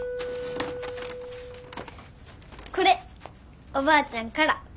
これおばあちゃんから。